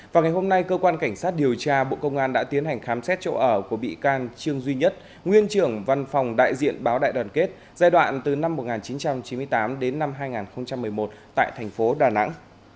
vào ngày hôm nay cơ quan cảnh sát điều tra bộ công an đã tiến hành khám xét chỗ ở của bị can trương duy nhất nguyên trưởng văn phòng đại diện báo đại đoàn kết giai đoạn từ năm một nghìn chín trăm chín mươi tám đến năm hai nghìn một mươi một tại thành phố đà nẵng